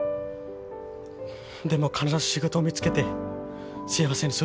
でも必ず仕事見つけて幸せにするから。